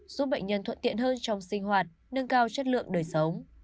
giúp bệnh nhân thuận tiện hơn trong sinh hoạt nâng cao chất lượng đời sống